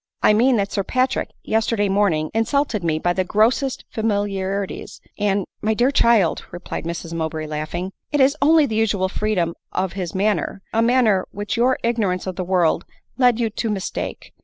"I mean that Sir Patrick, yesterday morning, insulted me by the grossest familiarities, and " "My dear child," replied Mrs Mowbray laughing,' " that is only the usual freedom of his manner ; a manner which your ignorance of the world led you to mistake.